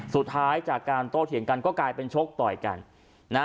สุดท้ายจากการโต้เถียงกันก็กลายเป็นชกต่อยกันนะฮะ